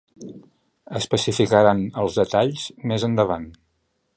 Especificaran els detalls més endavant.